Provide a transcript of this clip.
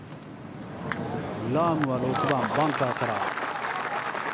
ラーム、６番のバンカーから。